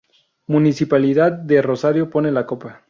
Municipalidad de Rosario pone la Copa.